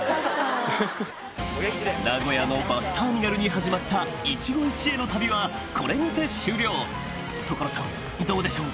名古屋のバスターミナルに始まった一期一会の旅はこれにて終了所さんどうでしょう？